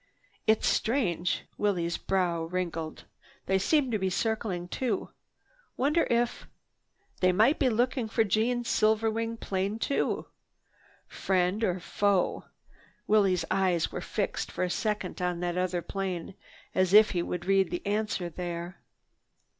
"It's strange." Willie's brow wrinkled. "They seem to be circling too. Wonder if—" "They might be looking for Jeanne's silver winged plane too." "Friend or foe?" Willie's eyes were fixed for a second on that other plane as if he would read the answer there.